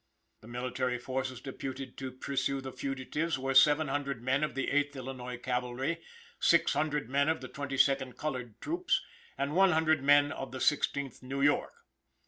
The military forces deputed to pursue the fugitives were seven hundred men of the Eighth Illinois cavalry, six hundred men of the Twenty second Colored troops, and one hundred men of the Sixteenth New York.